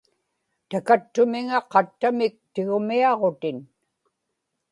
takattumiŋa qattamik tigumiaġutin...